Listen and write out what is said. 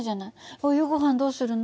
お夕ごはんどうするの？